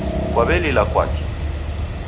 Kwaw'elila kwaki?